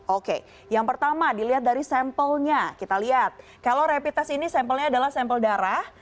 oke yang pertama dilihat dari sampelnya kita lihat kalau rapid test ini sampelnya adalah sampel darah